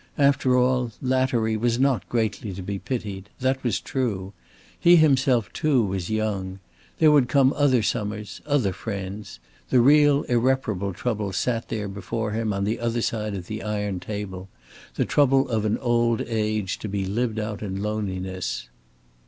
After all, Lattery was not greatly to be pitied. That was true. He himself too was young. There would come other summers, other friends. The real irreparable trouble sat there before him on the other side of the iron table, the trouble of an old age to be lived out in loneliness.